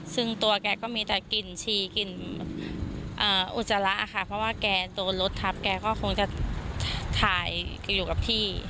ซึ่งตัวแกก็มีแต่กลิ่นฉี่กลิ่นอุจจาระค่ะเพราะว่าแกโดนรถทับแกก็คงจะถ่ายอยู่กับที่